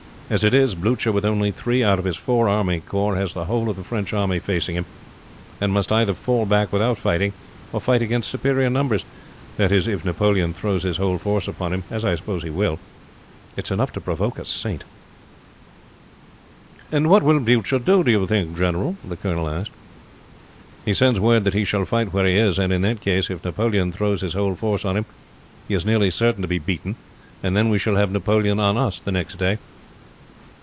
As it is, Blucher, with only three out of his four army corps, has the whole of the French army facing him, and must either fall back without fighting or fight against superior numbers that is, if Napoleon throws his whole force upon him, as I suppose he will. It is enough to provoke a saint." "'Which will Blucher do, do you think, general?" the colonel asked. "'He sends word that he shall fight where he is; and in that case, if Napoleon throws his whole force on him, he is nearly certain to be beaten, and then we shall have Napoleon on us the next day."